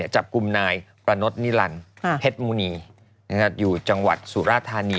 จับกลุ่มนายประนดนิรันดิ์เพชรมูนีอยู่จังหวัดสุราธานี